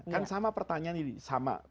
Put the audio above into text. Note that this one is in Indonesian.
kan sama pertanyaan ini sama